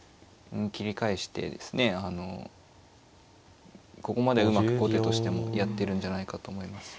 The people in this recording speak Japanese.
あのここまでうまく後手としてもやってるんじゃないかと思います。